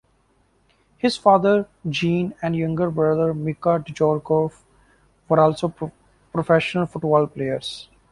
His father, Jean, and younger brother, Micha Djorkaeff, were also professional football players.